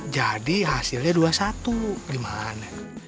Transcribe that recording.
jadi hasilnya dua satu gimana